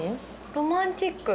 ロマンチック。